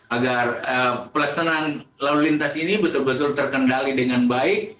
agar pelaksanaan lalu lintas ini betul betul terkendali dengan baik